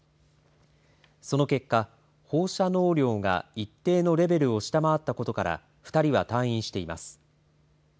その結果、放射能量が一定のレベルを下回ったことから２人は退院しています。